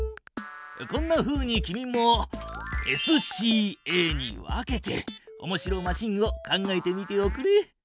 こんなふうに君もＳＣＡに分けておもしろマシンを考えてみておくれ。